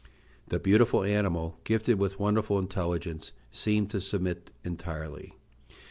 The beautiful animal, gifted with wonderful intelligence, seemed to submit entirely.